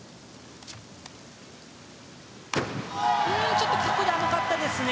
ちょっと角度がなかったですね。